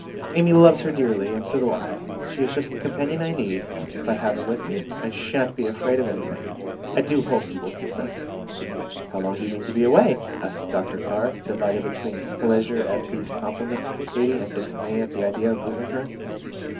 Amy loves her dearly, and so do I; she is just the companion I need; if I have her with me, I sha'n't be afraid of anything. I do hope you will consent." "How long do you mean to be away?" asked Dr. Carr, divided between pleasure at these compliments to Katy and dismay at the idea of losing her.